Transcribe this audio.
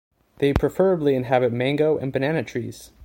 They preferably inhabit mango and banana trees.